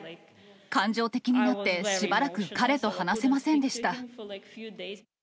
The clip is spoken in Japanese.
感情的になって、しばらく彼と話せませんでした。